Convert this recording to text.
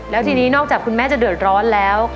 แล้วทีนี้นอกจากคุณแม่จะเดือดร้อนแล้ว